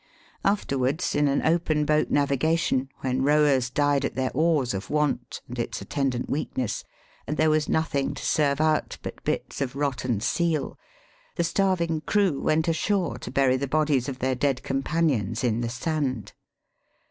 Afterwards, in an open boat navigation, when rowers died at their oars of want and its attendant weakness, and there was nothing to serve out but bits of rotten seal, the starving crew went ashore to bury the bodies of their dead com panions, in the sand.